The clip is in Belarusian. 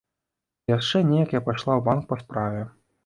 І яшчэ неяк я пайшла ў банк па справе.